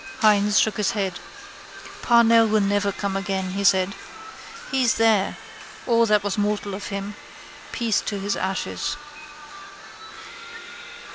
Hynes shook his head. —Parnell will never come again, he said. He's there, all that was mortal of him. Peace to his ashes.